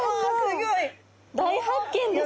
大発見ですね！